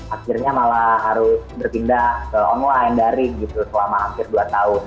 akhirnya malah harus berpindah ke online daring gitu selama hampir dua tahun